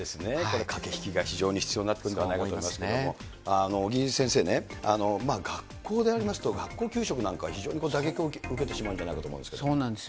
駆け引きが非常に必要になってくるんではないかと思いますけ尾木先生ね、学校でありますと、学校給食なんかは非常に打撃を受けてしまうんではないかと思いまそうなんですよ。